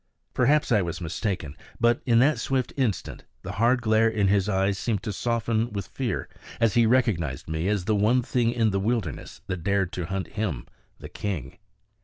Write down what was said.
Perhaps I was mistaken, but in that swift instant the hard glare in his eyes seemed to soften with fear, as he recognized me as the one thing in the wilderness that dared to hunt him, the king.